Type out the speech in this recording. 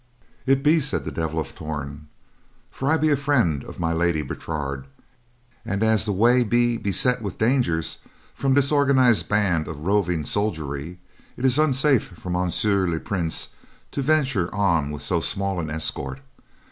"It be," said the Devil of Torn, "for I be a friend of My Lady Bertrade, and as the way be beset with dangers from disorganized bands of roving soldiery, it is unsafe for Monsieur le Prince to venture on with so small an escort.